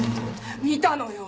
見たのよ。